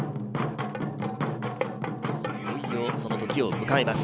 いよいよそのときを迎えます。